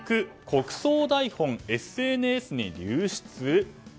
国葬台本ＳＮＳに流出？